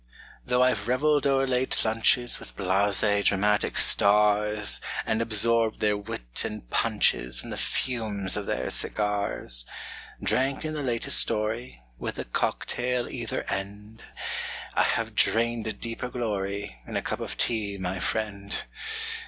Though I've reveled o'er late lunches With blasé dramatic stars, And absorbed their wit and punches And the fumes of their cigars Drank in the latest story, With a cock tail either end, I have drained a deeper glory In a cup of tea, my friend.